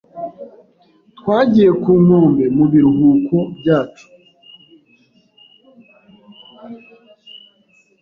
Twagiye ku nkombe mu biruhuko byacu.